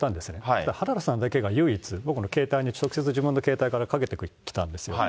そしたら原田さんだけが唯一、僕の携帯に、直接自分の携帯からかけてきたんですね。